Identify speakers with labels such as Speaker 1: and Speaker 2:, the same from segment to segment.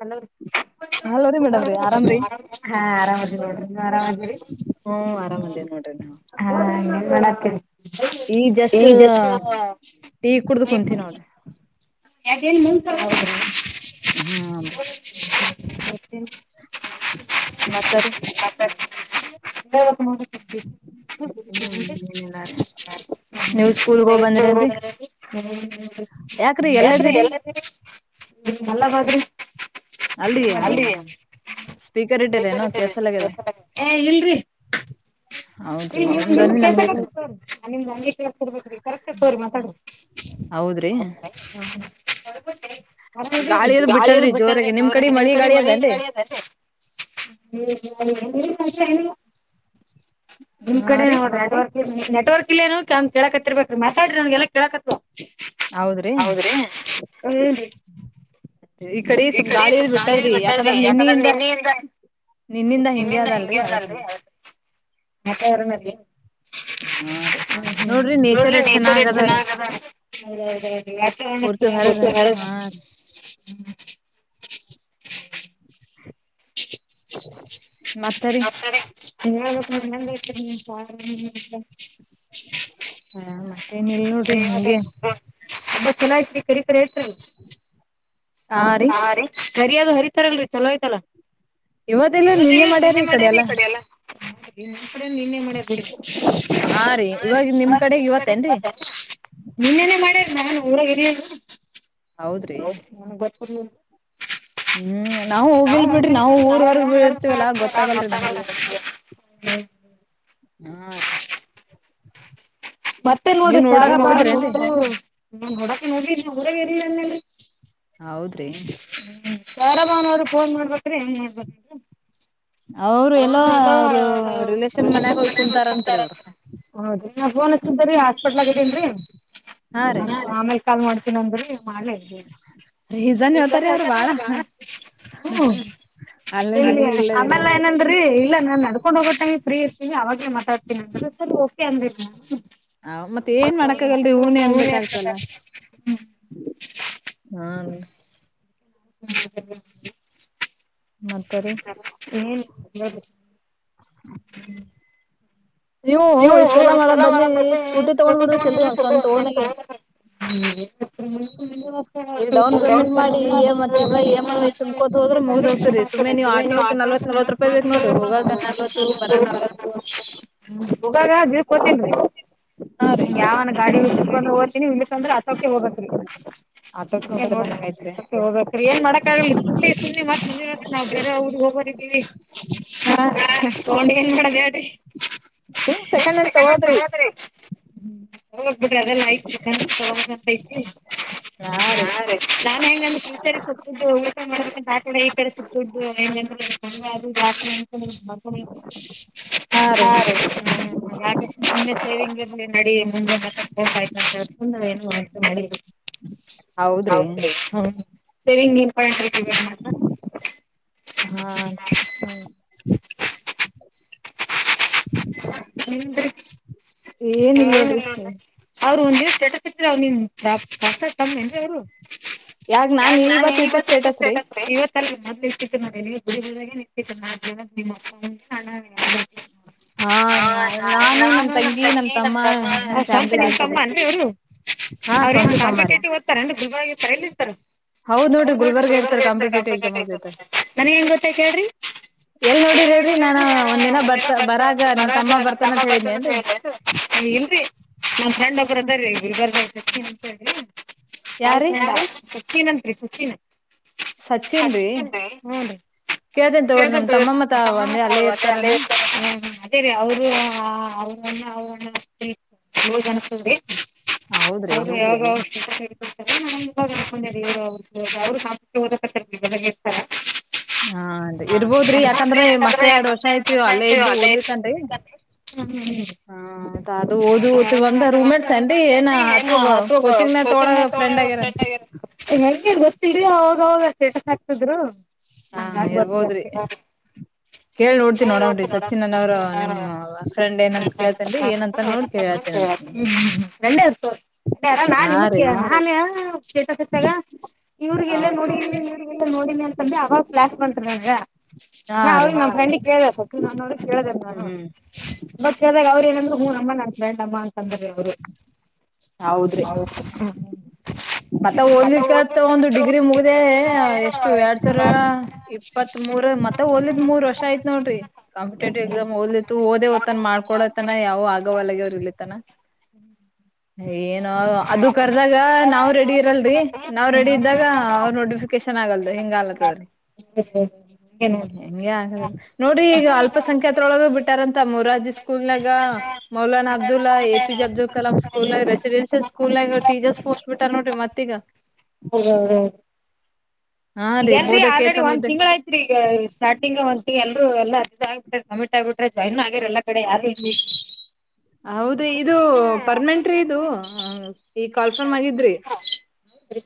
Speaker 1: ನಲ್ಲವರು ಹಾ ಆರಾಮದಿ ನೀ ಆರಾಮದಿರಿ
Speaker 2: ನೋಡ್ರಣ
Speaker 1: ಹಾನ್ ಮಾಡತ ಈಸ
Speaker 2: ಟೀ ಕುಡ್ದ ಕುಂತೀ ನೋಡ್ರಿ
Speaker 1: ಮುಂಸ
Speaker 2: ಹ್ಮ್ ಮತ್ತರಿ
Speaker 1: [inaudible] ಹ್ಮ ಎಷ್ಟ ಹ್ಮ ಯಾತ್ರಿ ಎಲ್ಲ್ದೀರಿ ಮಲ್ಲ ಬಾದ್ರಿ
Speaker 2: ಅಲ್ಲಿ
Speaker 1: ರ್ೀರಿ ಕೆ ಏ ಇಲ್ರಿ [unintelligible] ನಿಮ್ದಗೆ ರ್ಬೇಕ ಕರೆಕ್ಟ್ ಆೋರಿ ಮಾತಾಡ ಹ ಹಬಟ್ಟೆ ಮರ ಗಾಳಿಯದ ಬಿಟ್ಟದ್ರೆ ತೋ್ರಗೆ ನಿಮ್ ಕಡೆ ಮಳೆ ಗಾಳಿದ್ರೆ ನಿಮ್ ಕಡೆ ನೋಡ್ರ ನೆಟ್ವರ್ಕ್ ಇಲ್ಲೇನು ಕ ಕೇಳಕಿರ್ಬೇಕ ಮೆಸಾಡ್ರಿ ನನ್ಗೆಲ್ಲ ಕೇಳಕತ್ ಹೌದ್ರಿ ಈ ಕಡೆ ಸುಕ್ಕಾಳಿ ಬಿಟ್ಟದ್ರಿ ಯಾಕಂದ್ರ ನಿನ್ನೆ ಇಲ್ ನಿನ್ನಿಂದ ಹಿಂಗಗೆ ಅವದಲ್ರಿ ಮತ್ತೆವರ ಮೇಲ್ಲಿ ಹ್ಮ್ ಹ್ಮ್ ನೋಡ್ರಿ ನೇಚರ್ ಎಸ್ಟ್ ಚೆನ್ನಾಗದ ವಾತಾವರಣ ಹ್ಮ ಹ ಅತ್ತಡೆ ಪ ಮನ್ನತ ಹಮ್
Speaker 2: ಹಾ ಮತ್ತೆ ನಲ್ ನೋಡ್ರಿ ಹಂಗೆ
Speaker 1: ಚಲ ಐತ್ರಿ ಕರಿ ಕರಿ ಹತ ಹಾ ರೀ ಸರಿಯಾದೂ ಹರಿತಾರಲ್ರಿ ಚಲೋಯ್ತಲ್ಲಾ
Speaker 2: ಇವಾಗ
Speaker 1: ಯ ನಿನ್ನೆ ಮಾಡ್ಯಾರೀ ಈ ಕಡೆ ಎಲ್ಲ ನಿಮ್ ಕಡೆ ನಿನ್ನೆ ಮಾಡ್ಯಾರ ಬಿ್ರ ಹಾ ರ ನಿ ಕಡೆ ನೀನ್ೇನೇ ಮಾಡ್ಯಾರ ನಾನನ್ ಊರಾಗಿಿರಿಯಲ್ಲ ಹೌ ಮ ಭರಪೂರ
Speaker 2: ಹ ಹ್ಮ್ ನಾವು ಹೋಗಿಲ್ ಬಿಡ್ರಿ ನಾವು ಊರ್ವರ್ಗ ಬಿ ಇರ್ತಿವಲ್ಲ ಗೊತ್ತಾಗಲ್ರಿ ನಮಗೇನ
Speaker 1: ಹ್ಮ್
Speaker 2: ಹಾ.
Speaker 1: ಮತ್ತೆ ನೋಡಿ ನೋಡಕ ಹೋಗಿ ಊರಾಗ ಇರ್ಲ ಅರಿ.
Speaker 2: ಹೌದ್ರಿ
Speaker 1: ಯಾರಾಮನವ್ರು ಫೋನ್ ಮಾಡ್ಬೇಕ್ರೆ ಏನ್ ಹೇಳ್ಬೇಕ ಅವ್ರ ಎಲ್ಲೇಶ ಮನಾರ ಹೌದು ರಿ ಹಾಸ್ಪಿಟ್ಲ್ಗ ಇದ್ದೇನ್ರಿ ಆಮೇಲ್ ಕಾಲ್ ಮಾಡ್ತೀನನ್ರಿ ಮಾಡ ಹ್ಮ ಇಲ್ಲಿ ಆಮೇಲ್ಲ ಏನಂದ್ರೀ ಇಲ್ಲ ನಾನ್ ನಡ್ಕೊಂಡ್ ಹೋಗಟ್ಟಂಗ ಫ್ರೀ ಇರ್ತೀನಿ ಅವಾಗೇ ಮ ರ್ತೀನಿ ಅ ಸರ್ ಓಕೆ ಅಂದ್ರ
Speaker 2: ಹ ಮತ್ತೆ ಏನ್ ಮಾಡಕ್ಕಾಗಲ್ರಿ ಹೂನ ಅನ್ಬೇಕಾಗಗ್ತಲ್ಲ. ಹಾ.
Speaker 1: ಹ. ಏನ್. ನೀ ಈ ಕೆಲ ಮಾಡರ ಬದ ಸ್್ಮೃತಿ ತ. ಹ್ಮ. ೆ ನೀವು ಆ. ನರ. ಹ್ಮ ಹೋಗಾಗ ಗಿಕ್ಕೋತೇನ್ರಿೀ. ನಿ್ ಯಾವ ಗಾಡಿ ಉಕೊಂಡು ಹೋಗ್ತೀನಿ ಇಲ್ಲಸ್ಂದ್ರ ಅಸೋಕೆ ಹೋಗತ್ರಿ. ಹಾಗ ನೋಡ್ರ ಹೋಗೀ ಏನ್ ಮಾಡಕ್ ಆಗ ಸ್ಕೂಟಿ ಸುಮ್ಮಿ ಮತ್ ಮುಂದಿನ ನಾವವು ಬೇರೆ ಊದಿಗೆ ಹೋಗ್ರ. ತಗೊಂಡ ನ್ ಮಾಡದಡಿ.
Speaker 2: ಸುಮ್ ಸೆಕೆಂಡ್ ಹಂಡ್ ತಗೋದ್ರಿ.
Speaker 1: ಹ್ಮ ಹೋಗ್ಬಿಡ್ರಿ ಅದೆಲ್ಲಾ ಆಐತ್ರಿ ಚ ತಂತ ಐತಿ. ಹಾ ರೀ ನಾನ್ ಹೆಂಗಂದ್ರ ಪಚ ಸಪ್ಪಬಿಡ್ು ಊಟ ಮಾಡ ಆ ಕಡೆ ಈ ಕಡೆ ಸಪ್ಪಬಿಡ್ು ಹೆಂಗಂದ್ರ. ಹ ಜಾತ್ ಅಂತ ಮ ಹಾ ರ. ಯಾಕ ಸುಮ್ಮೆ ಸೇವಿಂಗ್ ನ ಮುಂದೆ ಮ್ತು ಏು ಮಾಡ.
Speaker 2: ಹ್ಮ.
Speaker 1: ಹೌ ಹ ಸರಿ. ಪಂಟ ಮಾಡ. ಹ್ಮ್. ಹ ಅವರು ಒಂದ. ಚಟ ಚಿತ್ರ ಅವ್ನ್ ಪ್ರಸ ಕಮ್ಮಿ ಅನ್್ರೀ ಅವ್ರು. ಯಾ ನು ಇವತ್ತಕ್ಕೆ ಸ್ಟೇಟಸ್ವತ್ತು. ಸ ಮದ್ ನಿಟ್ಟತಿ ನಗೆಡಾಗೆ ನಿಡ್ತಿತ್ತು ನ ನಿಮ್ಮ ಅ ಹಣ. ಹಾ ನ ನಾನು ನಮ ತಂಗಿ ನಮ ತಮ್ಮ ನ ತಮ್ಮರು. ಅವ್ರ ಕಾಪೇಟ ದ್ತಾರ್ರುಲ್ರ್ತ ಇ. ನನ ಹೆನ್ ಗೊತ್ತೇ ಕೇಳ್ರಿ. ನೋಡಿದ ಯಾರ ಒಂದರ ಬರ್ತಾ. ಬರ ನಮ್ಮ ತಮ್ಮ ಬರ್್ು ಇಲ್ರಿ ನಮ್ಮ ಫ್ರೆಂಡ್ ಒಬ್ಬ್ರದೀ ಸನ್ಂತಿ ಸಚೀನ್ಂರಿ ಸುಚನ್. ಹಚ್ಚ ಹ. ಕ ಸಮಾನ ಅ. ಅವರು ಅವ್ರಣ ಅವ್ರ ಅನ್ರಿ. ಅವರು ಯಾವಂತ ಹೇಳ್ಕೊಡ್ತಾರೆ ನ ಇವಾಗ ಅನ್ಕೊಂಡ ಇವ್ರು ಅವರು. ಹ ಅವ್ರು ಹಪಕ್ಕೆ ಓದಕತ್ತರ್ಗೆರ್ತ.
Speaker 2: ಹಾನ್ರಿ ಇರ್ಬೋದ್ರಿ ಯಾಕಂದ್ರ ಮತ್ತೆ ಎರಡ್ ವರ್ಷ ಆಯತ್ ಅಲ್ಲೇ ಇದ್ದು ಓದ್ಲತ್ತನ್ರಿ.
Speaker 1: ಹಾ ಹಾಗರಿ. ಹಚಂಗ. ಂಗಗೆ ಗೊತ್ತ್ರರಿ ಅವಾಗ ಅವಾಗೇಟಸ್ ಆಕ್ತಿದ್ರು. ಹಂಗ ಬರ್ತರಡ್ ನ. ಲ್ಲಳ್ಳೆ ಾರ ನಾ ನಿಮ ಕ ಆಾನ ಶೇತತ್ತಾಗ. ಇವ್ರ ಎಲ್ಲ ನೋಡಿನಿ ಇವ್ರಲ್ಲ ನೋಡಿನಿ ಅಂದ್ರೆ ಅವಾಗ. ಕ್ಲಾಸ್ ಮಂತ್ ನಂಗ ನಾ ಅವ್ರಿಗೆ ನ ಫ್ರೆಂಡಿಗ್ ಕೇಳ ನ ನೋ. ಕೇಳ್ದ ಮತ್ ಕೇಳ್ದಾಗ ಅವ್ರ ಏನಂದ್ರು ಹೂ ನಮ್ಮ. ಮ್ಮ ಅಂತಂದ್ರ ಅವರು.
Speaker 2: ಹೌದ್ರಿ. ಮತ್ತ ಒಂದ್ಲಿಕ್ಕತ್ ಒಂದು ಡಿಗ್ರಿ ಮುಗ್ದ ಎಷ್ಟು ಎರಡ್ ಸಾವಿರ ಇಪ್ಪತ್. ಮೂರ್ ಮತ್ತೆ ಒಲಿದ್ ಮೂರ್ ವರ್ಷ ಆಯ್ತ್ ನೋಡ್ರಿ ಕಂ್ ಎಕ್ಸಾಮ್ ಓದಲತ್ತು ಓದೇ ್ತನ್ ಮಾಡ್ಕೊಳತನ ಯಾವ ಆಗವ ಅಗೆ ಅವ್ರು ಇಲತನ ಹ್ಮ್ ಏನು ಅದು ಕರ್ದಾಗ ನಾವ್ ರೆಡಿ ಇರಲ್ರಿ ನಾವ್ ರೆಡಿ ಇದ್ದಾಗ ಅವ್ರ ನೋಟಿಫಿಕ ಚೆನ್ನಾಗಲ್ದು ಹಿಂಗ ಆಗ್ಲತ್ತದ್ರರಿ
Speaker 1: ಹ್ಮ ಹ
Speaker 2: ಹ ಹೆಂಗೆ ಆಗದ್ರ ನೋಡಿ್ರ ಈಗ ಅಲ್ಪ ಅಲ್ಪಸ ಸಂಖ್ಯಾತರೊಳಗ ಬಿಟ್ಟಾರ ಅಂತ ಮೊರಾರ್ಾಜಿ ಸ್ಕೂಲ್ ನಾಗ ಮೌಲಾನ್ ಅಬ್ದುಲ್ಲಾ ಎಪಿಜೆ ಅಬ್ದುಲ್ ಕಲಾಂ ಸ್ಕೂಲ್ಗ ರೆಸಿಡೆನ್ಸಿಯಲ್ ಸ್ಕೂಲ್ ಆಗ ಟೀಚರ್ಸ್ಫೋಸ್ಟ್ ಬಿಟ್ಟರ್ ನೋಡ್ರಿ ಮತ್ತೀಗ
Speaker 1: ಹೌದ ಹೌದೌದು ಈಗ ಎಲ್ರರಿ ಆಲ್ರೆಡಿ ಒಂದ್ ತಿಂಗ್ಗಳ ಐತ್ರಿ ಈಗ ಸ್ಟಾರ್ಟಿಂಗ್ ಒಂದ್್ ಎಲ್ಲ ಎಲ್ಲ ಅ ಆಬಿಟ್ರೆ ಕಮಿಟ್ ಆಗ್ಬಿಟ್ರೆ ಜಾಯಿನ್ ಆಗಿರ ಎಲ್ಲ ಕಡೆ ಯಾರ
Speaker 2: ಹೌದ ಇದು ಪರ್ನೆಂಟ್ರೀ ಇದು ಈ ಕಾಲ್ಫರ್ಮ್ ಆಗಿದ್ರಿ
Speaker 1: ಹ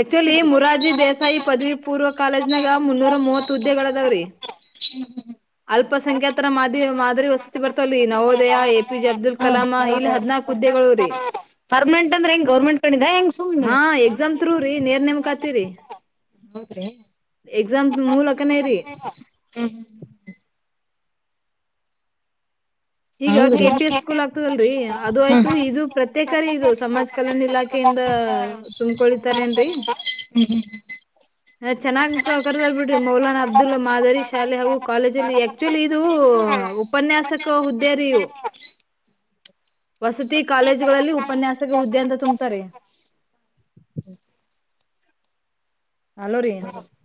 Speaker 2: ಆಕ್ಚುಲಿ ಮುರಾರ್ಜಿ ದೇಸಾಯಿ ಪದವಿ ಪೂರ್ವ ಕಾಲೇಜ್ನಾಗ ಮುನ್ನೂರ ಮೂವತ್ತು ಹುದ್ದೆಗಳದಾವ್ರಿ ಅಲ್ಪಸಂಖ್ಯಾತರ ಮಾದಿ ಮಾದರಿ ವಸತಿ ಬರ್ತವಲ್ಲಿ ನವೋದಯ ಎಪಿಜೆ ಅಬ್ದುಲ್ ಕಲಾಮ ಇಲ್ಲಿ ಹದ್ನಾಕು ಹುದ್ದೆಗಳು ರೀ
Speaker 1: ಪರ್ಮನೆಂಟ್ ಅಂದ್ರೆ ಹೆಂಗ ಗೌರ್ಮೆಂಟ್ ಕಣಿದ ಹೆಂಗ ಸುಮನೆ
Speaker 2: ಹತ್ೂ ರರಿ ನೇರ್ ನಮ ಕತ್ತೀರಿ ಎಕ್ಸಾಂಪ್ ಮೂಲ ಅಕನ ಇರಿ ಈಗ ಕೆಪಿ ಎಸ್ ಸ್ಕೂಲ್ ಆಗ್ತದಲ್ರಿ ಅದು ಆಯ್ತು ಇದು ಪ್ರತ್ಯೇಕ ರ ಇದು ಸಮಾಜ್ ಕಲ್ಯಾಣ ಇಲಾಖೆ ಕಿಂದ ತುಂಬಕೊಳಿತಾರ ೇನ್ರಿ
Speaker 1: ಹ್ಮ್ ಹ್ಮ್್ಮ
Speaker 2: ಹ ಚೆನ್ನಾಗ್ ಕರ್ದರ್ ಬಿಟ್ರಿ ಮೌಲಾನಾ ಅಬ್ದುಲ್ಲಾ ಮಾದರಿ ಶಾಲೆ ಹಾಗೂ ಕಾಲೇಜ ಅಲ್ಲಿ ಆಕ್ಚುಲಿ ಇದು
Speaker 1: ಹಾಾ
Speaker 2: ಕೊಹ್ದರಿು ವಸತಿ ಕಾಲೇಜುಗಳಲ್ಲಿ ಉಪನ್ಯಾಸಕ್ಕೆ ಹುದ್ದೆಂತ ತುಂಬತಾರೆ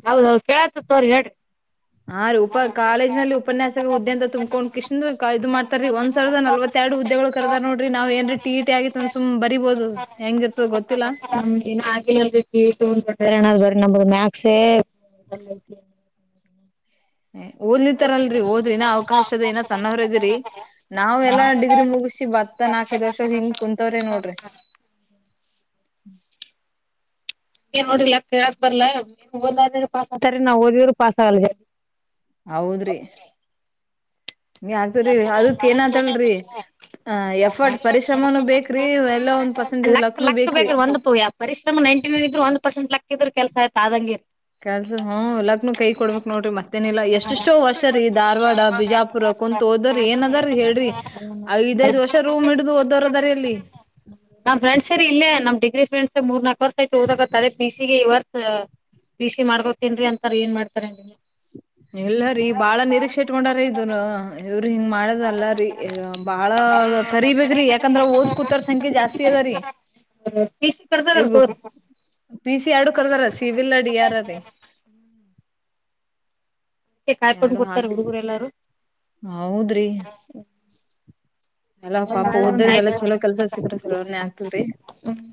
Speaker 1: ಹೌದೌದು ಕೇಳತ್ತ ತೋರಿ ಹೇಳ್ರಿ
Speaker 2: ಹ ಹಾ ರೀ ಉಪ ಕಾಲೇಜ್ಲ್ಲಿ ಉಪನ್ಯಾಸಕ ಹುದ್ದೆ ಅಂತ ತುಂಬಕೊಂಡ್ ಕಿಿಸ್ಣನ್ ಇದು ಮಾಡ್ತಾರ ರೀ ಒಂದ್ಾವಿರದ ನಲ್ವತ್ತೆರಡು ಹುದ್ದೆಗಳು ಕರದಾರ್ ನೋಡ್ರಿ ನಾವ್ ಏನ್ರೀ ಟೀ ಟಿ ಆಗಿತ್ ಅಂದ ಸು್ ಬರಿಬಹದು ಹೆಂಗ ಇರ್ತದ ಗೊತ್ತಿಲ್ಲ
Speaker 1: ಅ ಬ ನಸ
Speaker 2: ಓದ್ಲಿಿತಾರ ಅಲ್ರರಿ ಹೋದ್ರಿ ಇನ ಅವಕಾಶದ ಏನ ಸಣ್ಣವ್ರದ್ರರಿ ನಾವ್ ಎಲ್ಲಾ ಡಿಗ್ರಿ ಮುಗಸಿ ಬತ್ತ ನಾಕೈದ್ ವರ್ಷ ಹಿಂಗ ಕುತ್ವ್ರೇ ನೋಡ್ರಿ ಹ್ಮ
Speaker 1: ನೋಡ್ರಿಾ ಕೇಳಕ್ ಬರ್ಲ್ಲದ್ರೆ ಪಾಸ್ ಆಗ್ತಾರ ನಾವ್ ಓದಿದ್ರರು ಪಸ್ ಆಗಲ್
Speaker 2: ಹೌದ್ರಿ ನೀ ಆತರಿ ಅದಕ್ ಏನ್ಂತಲ್ರಿ ಹ ಎಫರ್ಟ್ ಪರಿಶ್ರಮನೂ ಬೇಕ್ರಿ ಎಲ್ಲ ಒಂದ್ ಪರ್ಸೆಂಟೇಜ್ ಲಕ್ನುೂ ಬೇಕ್ರಿ
Speaker 1: ಟನ್ ಇದ್ ಒಂದು ಪರ್ಸೆಟ್ಕ್ಕಿದ್ರ ಕೆಲಸ ಆಯತ ಆದಂಗರ್
Speaker 2: ಕೆಲ್ಸ ಹ ಲಗ್ನ ಕೈ ಕೊಡ್ಬೇಕೇಕ್ ನೋಡ್ರಿ ಮತ್ತೇನಿಲ್ಲಾ ಎಷ್ಟಿಷ್ಟೋ ವರ್ಷ ರೀ ಧಾರವಾಡ ಬಿಜಾಪುರ ಕುು ಓದವ್ರರಿ ಏನ್ ಅದಾರೀ ಹೇಳ್ರಿ ಐದ್ೈಐದ್ ವರ್ಷ ರೂಮ್ ಇಡ್ದು ಓದವ್ರ ಅದಾರ ಅಲ್ಲಿ
Speaker 1: ನಾ ಫ್ರೆಂಡ್ಸ್ ಸರಿ ಇಲ್ಲ ಇಂಡಟ್ಸ್ ಮೂರ್ ನಲ್ಕ ವರ್ಷ ಐತ ಹದತ್ತಾರೆ ಬಿಗೆ ಈರ್ ಬಿಸಿ ಮಾಡ್ಕೋತೇನ್ಿ ಅಂತಾರ ಏನ್ ಮಾಡ್ತಾರೆ ನೀಗೆ
Speaker 2: ಎಲ್ಲರಿೀ ಬಾಳ ನಿರೀಕ್ಷೆ ಇಟ್ಕೊಂಡಾರ ಇದನು ಇವ್ರಿ ಹಿಂಗ್ ಮಾಡದಲ್ಲ ರೀ ಬಾಳ ರೀಬಕ್್ರೀ ಯಾಕಂದ್ರ ಓದ್ ಕೂತಾರ ಸಂಖ್ಯೆ ಜಾಸ್ತಿ ಇ
Speaker 1: ಕರ್ತಾನ ತೋ
Speaker 2: ಪಿ ಸಿ ಆಡುಕರ್ದಾರ ಸಿವಿಲ್ ಅಡಿ ಯಾರದೇ
Speaker 1: ಅದಕ್ಕೆ ಕಾಯಕೊಂಡ್ ಕೊಡ್ತಾರೆ ಹುಡುಗರು ಎಲ್ಲಾರೂ
Speaker 2: ಹೌದ್ರಿ ಎಲ್ಲಾ ಪಾಪ ಓದ್ದ್ರ ಎಲ್ಲ ಚಲೋ ಕೆಲ್ಸ ಸಿದ್ರ ಚಲೋ ಆಗ್ತದ್ರಿ
Speaker 1: ಹ್ಮ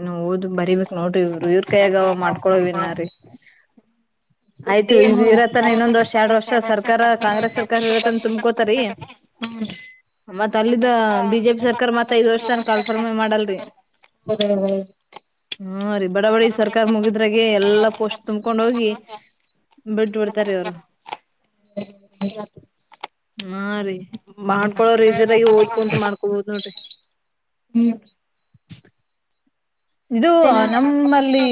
Speaker 2: ಇನ್ನು ಓದ್ ಬರಿಬೇಕಕ್ ನೋಡ್ರಿ ಇವರು ಇವ್ರ ಕೈಯ್ಯಾಗವ ಮಾಡ್ಕೊಳವ ನೀ ಆಯ್ತು ಇದು ಇರತ್ತಾನೆ ಇನ್ನೊಂದ್ ವರ್ಷ ಎರಡು ವರ್ಷ ಸರ್ಕಾರ ಕಾಂಗ್ರೆಸ್ ಸರ್ಕಾರ ಇರತ್ತಂತ ತುಂಬಕೋತಾರೀ ಮತ್ತತ್ ಅಲ್ಲಿದ್ದ ಬಿಜೆಪಿ ಸರ್ಕಾರ ಮತ್ತತ್ ಐದ್ ವರ್ಷ ತನ ಕಾಲ್ಫರ್ಮೆ ಮಾಡಲ್ರಿ ಹ್ಮ ರರಿ ಬಡ ಬಡಿ ಸರ್ಕಾರ ಮುಗಿದ್ರಾಗೆ ಎಲ್ಲಾ ಪೋಸ್ಟ್ ತುಂಬಕೊಂಡ ಹೋಗಿ ಬಿಡ್ ಬಿಡ್ತಾರ ಅವವರು
Speaker 1: ಹ್ಮ
Speaker 2: ಹಾ ರೀ ಮಾಡ್ಕೊಳೋರ ಇದ್ರಾಗಿ ಓದ್ಕೊಂತು ಮಾಡ್ಕೊಬೋದು ನೋಡ್ರಿ ಹ್ಮ್
Speaker 1: ಹ
Speaker 2: ಇದು ನಮಲ್ಲಿ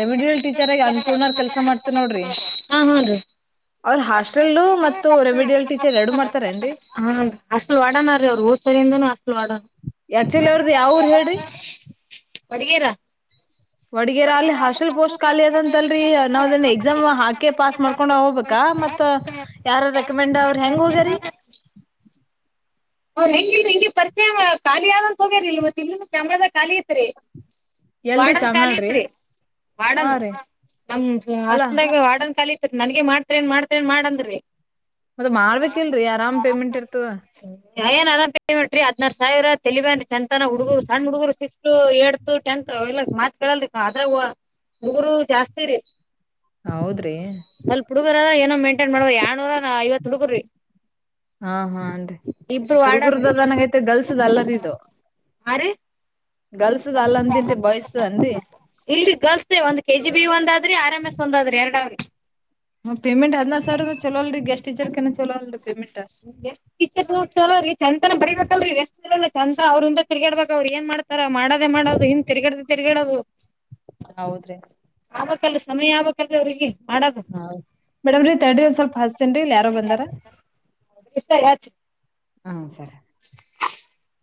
Speaker 2: ರೆಮಿಡಲ್ ಟೀಚರ್ ಆಗ ಅನ್ನಪೂರ್ಣ ಅವ್ರು ಕೆಲ್ಸ ಮಾಡ್ತ ನೋಡ್ರಿ
Speaker 1: ಹಾ ಹನ್ ರೀ
Speaker 2: ಅವ್ರ ಹಾಸ್ಟೆಲ್ ಮತ್ತು ರೆವಿಡಿಯಲ್ ಟೀಚರ್ ಎರಡು ಮಾಡ್ತಾರೆ
Speaker 1: ಹ ಹಾಸ್ಟೆಲ್ ಒಡೋಣ ರೀ ಅವ್ರು ಹೋಧು ಸರಿದನನು ಹಾಸ್ಟೆಲ್ ವಾರ್ಡನ್ [unintelligible]
Speaker 2: ವಡಗೇರ ಅಲ್ಲಿ ಹಾಸ್ಟೆಲ್ ಪೋಸ್ಟ್ ಖಾಲಿ ಅದಂತಲ್ರಿ ನಾವ ಅದನ್ನ ಎಕ್ಸಾಮ್ ಹಾಕೆ ಪಾಸ್ ಮಾಡ್ಕೊಂಡ ಹ್ಬೇಕಾ ಮತ್ತ ಯಾರ ರೆಕಮೆಂಡ್ ಅವ್ರರು ಹೆಂಗ ಹೋಗ್ಯರಿ
Speaker 1: ಹೆಂಗ ಹೆಂಗಿ ಪರಿಚಯ ಖಾಲಿ ಆದಂತ ಹೋಗ್ಯರಿಲ್ ಮತ್ತೆ ಇಲ್ಲಿ ಚಾಮದ ಖಾಲಿಐತ್ರಿ ವಾರ್ಡನ್ ಖಾಲಿ ಐತ್ರಿ ವಾಡನ್ ನಮ ಹಾಸ್ಟೆಲ್ ವಾಡನ್ ಖಾಲಿ ನನ್ಗೆ ಮಾಡ್ತ ಏನ್ ಮಾಡ್ತರಿ ನ್ ಮಾಡ ಅಂದ್ರರಿ
Speaker 2: ಮತ್ತ್ ಮಾಡ್ಬೇಕಿಲ್ರರಿ ಆರಾಮ್ ಪೇಮೆಂಟ್ ಇರ್ತ
Speaker 1: [unintelligible] ಹದಿನಾರು ಸಾವಿರ ತಲಿವನ್ ಜಂತನ ಹುಡುಗರು ಸಣ್ಣ ಹುಡುಗರು ಸಿ ಏಡ್ತ್ ಟೆಂತ್ ಎಲ್ಲ ಮಾತ್ ಕೇಳಲ್ ಆದ್ರ ಮೂರು ಊರು ಜಾಸ್ತಿ ರೀ ಸ್ವಲ್ಪ ಹುಡುಗರದ ಏನೋ ಮೆಂ ಮಾಡ ಯಳ್ನೂರ ನ ಐವತ್ ಹುಡುಕಿ
Speaker 2: ಹುಡುಗುರದ ನನಗೈತೆ ಗಲ್ಸದ ಅಲ್ಲದಿದು
Speaker 1: ಯಾರ ಇಲ್ ಗರ್ಲ್ಸ್ ಒಂದ್ ಕೆಜಿ ಬಿ ಒಂದಾದ್ರಿ ಆರ್ ಎಮ್ ಎಸ್ ಒಂದಾದ್ರಿ ಎರಡ ಅವ್ರ
Speaker 2: ಪ್ಯಾಮೆಂಟು ಹಾತ್ ಹಾತ್ ಅಂದ್ರ ಸಾವಿರ ಚಲೋಲ್ರಿ ಗಸ್ಟ್ ಟಚರ್ ಕನ ಚಲೋಲ್ರಿ
Speaker 1: ತ ಚಲೋ [unintelligible] ಬರಿಬೇಕಲರಿ ಎಷ್ಟ ಚಂತ್ರ ಅವ್ರ ಹಿಂದ ತಿಗಾಡ್ಬೇಕಕ್ ಅವ್ ಏ ಮಾಡತಾರ ಮಾಡದೇ ಮಾಡೋದು ಹಿಂದ ತಿರುಗಡ ತಿರಗಡ
Speaker 2: ಹೌದ್ರಿ
Speaker 1: ಆಗ್ಲ ಸಮಯ ಆಗಬೇಕಲ್ಲ ಅವ್ರರಿಗೆ
Speaker 2: ಹ ಮೇಡಮ್ರೀ ತರ್ಡ್ ಒಂದ ಸ್ವಲ್ಪ ಹಸ್ತನ್ರಿ ಇಲ್ ಯಾರೋ ಬಂದಾರ
Speaker 1: ಎಷ್ಟ ಅಚ್
Speaker 2: ಹಾ ಸರಿ
Speaker 1: ಹ [unintelligible]